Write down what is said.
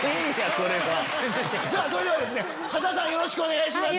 それでは羽田さんよろしくお願いします。